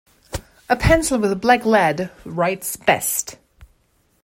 A pencil with black lead writes best.